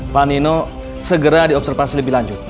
pak nino segera di observasi lebih lanjut